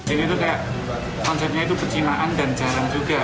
ini tuh kayak konsepnya itu pecinaan dan jarang juga